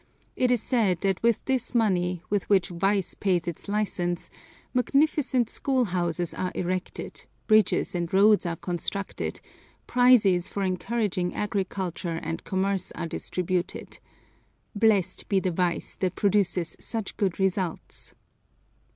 It is said that with this money, with which vice pays its license, magnificent schoolhouses are erected, bridges and roads are constructed, prizes for encouraging agriculture and commerce are distributed: blessed be the vice that produces such good results!